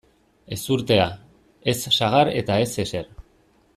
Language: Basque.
Ezurtea, ez sagar eta ez ezer.